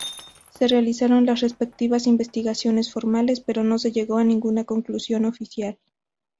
Se realizaron las respectivas investigaciones formales, pero no se llegó a ninguna conclusión oficial.